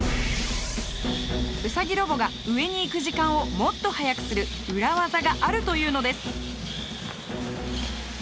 ウサギロボが上に行く時間をもっとはやくする裏技があるというのです。